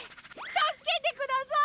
たすけてください！